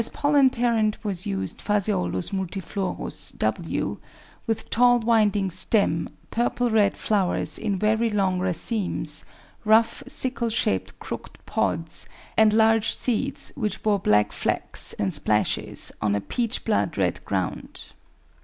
pollen parent was used Ph. multiflorus, W., with tall winding stem, purple red flowers in very long racemes, rough, sickle shaped crooked pods, and large seeds which bore black flecks and splashes on a peach blood red ground.